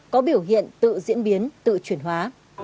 có biểu hiện tự diễn biến tự chuyển hóa